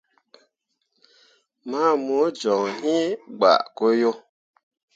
Ma mu joŋ iŋ gbaako yo.